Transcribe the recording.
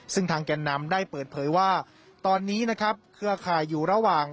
ซึ่งทางแก่นนำได้เปิดเผยว่าตอนนี้นะครับเครือข่ายอยู่ระหว่าง